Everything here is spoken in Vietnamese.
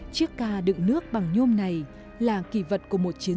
chiếc ca đựng nước bằng nhôm này là kỳ vật của một chiến